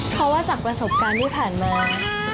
เพราะว่าจากประสบการณ์ที่ผ่านมา